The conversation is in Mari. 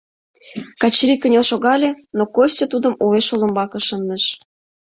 — Качырий кынел шогале, но Костя тудым уэш олымбаке шындыш.